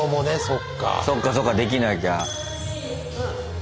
そっかそっかできなきゃ。